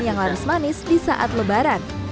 ada makanan yang laris manis di saat lebaran